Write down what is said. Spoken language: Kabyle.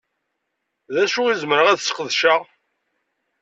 D acu i zemreɣ ad sqedceɣ?